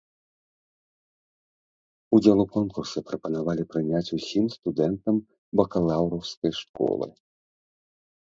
Удзел у конкурсе прапанавалі прыняць усім студэнтам бакалаўраўскай школы.